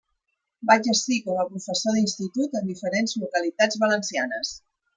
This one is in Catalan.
Va exercir com a professor d'institut en diferents localitats valencianes.